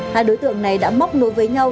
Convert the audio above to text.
hai đối tượng này đã móc nối với nhau